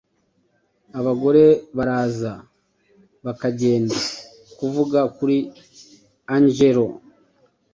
abagore baraza bakagenda Kuvuga kuri angelo